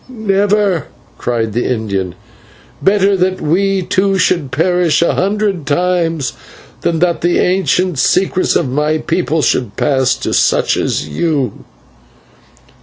"Never!" cried the Indian, "better that we two should perish a hundred times, than that the ancient secrets of my people should pass to such as you."